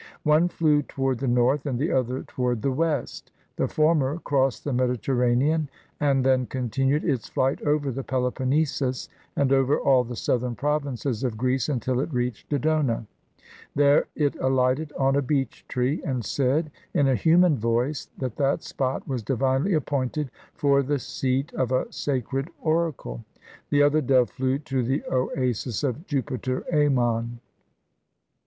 One flew toward the north and the other toward 305 PERSIA the west. The former crossed the Mediterranean, and then continued its flight over the Peloponnesus, and over all the southern provinces of Greece, until it reached Dodona. There it aHghted on a beech tree, and said, in a human voice, that that spot was divinely appointed for the seat of a sacred oracle. The other dove flew to the Oasis of Jupiter Ammon.